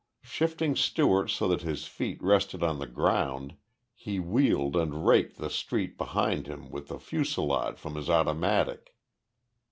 Shifting Stewart so that his feet rested on the ground, he wheeled and raked the street behind him with a fusillade from his automatic.